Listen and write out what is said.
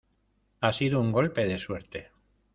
ha sido un golpe de suerte.